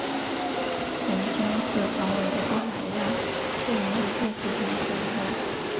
顶尖四分卫的到来让猎鹰队再次强势回归。